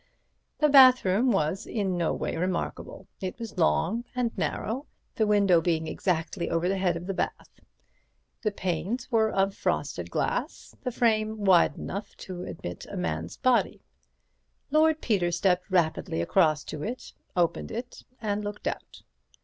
The bathroom was in no way remarkable. It was long and narrow, the window being exactly over the head of the bath. The panes were of frosted glass; the frame wide enough to admit a man's body. Lord Peter stepped rapidly across to it, opened it and looked out.